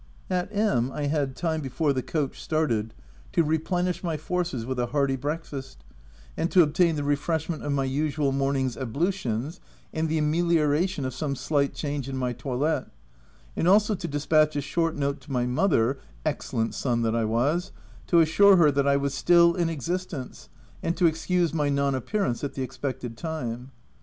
At M I had time before the coach started to replenish my forces with a hearty breakfast, and to obtain the refreshment of my usual morning's ablutions, and the amelioration of some slight change in my toilet, — and also to dispatch a short note to my mother (excellent son that I was) to assure her that I was still in existence and to excuse my nonappearance at the expected time.